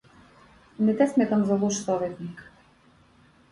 Не те сметам за лош советник.